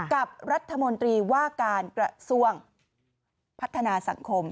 กับรัฐมนตรีว่าการกระทรวงพัฒนาสังคม